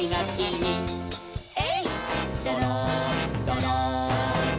「えいっどろんどろん」